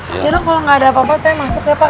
ya dong kalau nggak ada apa apa saya masuk ya pak